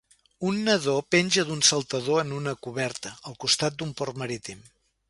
Un nadó penja d'un saltador en una coberta, al costat d'un port marítim.